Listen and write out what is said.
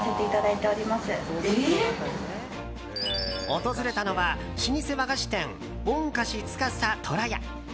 訪れたのは老舗和菓子店御菓子司虎屋。